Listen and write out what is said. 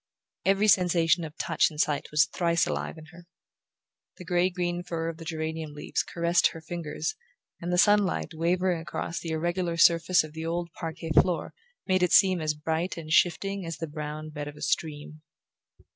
Every sensation of touch and sight was thrice alive in her. The grey green fur of the geranium leaves caressed her fingers and the sunlight wavering across the irregular surface of the old parquet floor made it seem as bright and shifting as the brown bed of a stream.